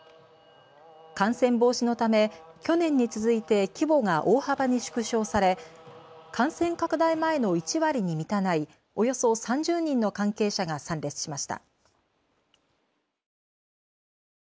感染防止のため去年に続いて規模が大幅に縮小され感染拡大前の１割に満たないおよそ３０人の関係者が参列しました。